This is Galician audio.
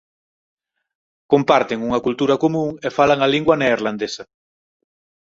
Comparten unha cultura común e falan a lingua neerlandesa.